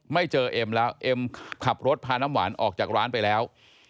ไม่เจอเอ็มแล้วเอ็มขับรถพาน้ำหวานออกจากร้านไปแล้ว